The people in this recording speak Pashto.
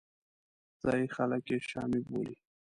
ځایي خلک یې شامي بولي.